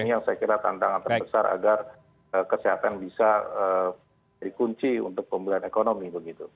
saya kira tantangan terbesar agar kesehatan bisa jadi kunci untuk pembelian ekonomi begitu